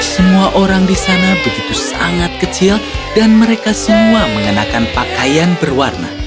semua orang di sana begitu sangat kecil dan mereka semua mengenakan pakaian berwarna